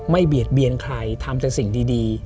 เบียดเบียนใครทำแต่สิ่งดี